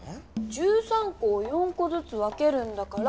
１３こを４こずつ分けるんだから。